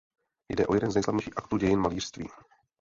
Jde o jeden z nejslavnějších aktů dějin malířství.